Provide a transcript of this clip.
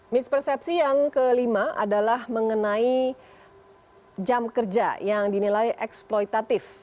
mispersepsi yang kelima adalah mengenai jam kerja yang dinilai eksploitatif